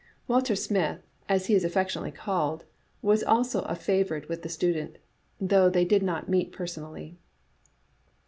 Walter Smith, as he is affectionately called, was also a favorite with the student, though they did not meet personally.